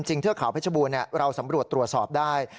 เทือกเขาเพชรบูรณ์เราสำรวจตรวจสอบได้